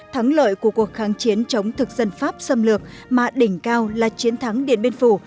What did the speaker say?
thắng lợi của cuộc kháng chiến chống thực dân pháp xâm lược mà đỉnh cao là chiến thắng điện biên phủ